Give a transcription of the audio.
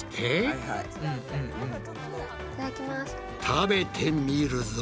食べてみるぞ。